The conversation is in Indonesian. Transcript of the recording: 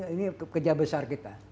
ini kerja besar kita